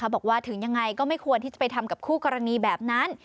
บอกว่าถึงยังไงก็ไม่ควรที่จะไปทำกับคู่กรณีแบบนั้น